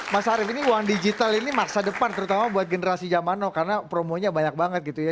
mas arief ini uang digital ini masa depan terutama buat generasi zaman now karena promonya banyak banget gitu ya